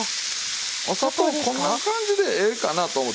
お砂糖こんな感じでええかなと思って。